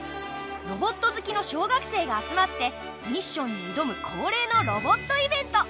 ロボット好きの小学生が集まってミッションに挑む恒例のロボットイベント。